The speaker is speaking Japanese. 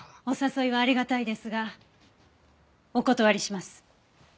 お誘いはありがたいですがお断りします。